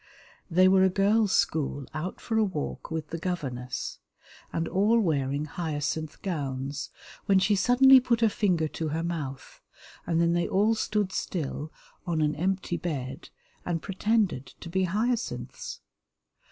They were a girls' school out for a walk with the governess, and all wearing hyacinth gowns, when she suddenly put her finger to her mouth, and then they all stood still on an empty bed and pretended to be hyacinths.